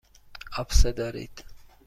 آبسه دارید.